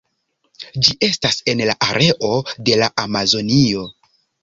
Ĝi estas en la areo de la Amazonio.